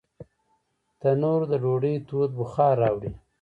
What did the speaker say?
تنور د ډوډۍ تود بخار راوړي